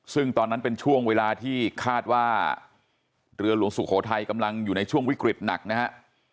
ซึ่งตอนนั้นเป็นช่วงเวลาที่คาดว่าเรือหลวงสุโขทัยกำลังอยู่ในช่วงวิกฤตหนักนะฮะ